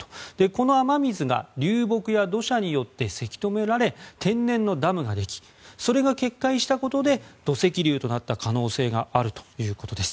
この雨水が流木や土砂によってせき止められ天然のダムができそれが決壊したことで土石流となった可能性があるということです。